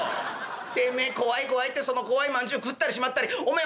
てめえ怖い怖いってその怖い饅頭食ったりしまったりおめえ